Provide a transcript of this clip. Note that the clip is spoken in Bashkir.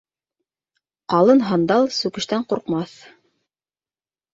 Ҡалын һандал сүкештән ҡурҡмаҫ.